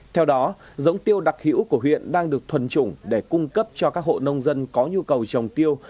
theo đó giống tiêu đặc hữu của huyện đang được thuần trùng để cung cấp cho các hộ nông dân có nhu cầu trồng tiêu